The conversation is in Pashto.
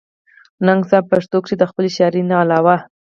ننګ صېب پښتو کښې َد خپلې شاعرۍ نه علاوه